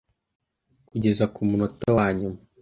kugeza ku munota wa nyuma